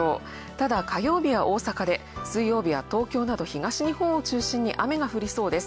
ただ、火曜日は大阪で、水曜日は東京など東日本を中心に雨が降りそうです。